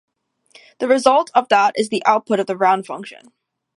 The result of that is the output of the round function.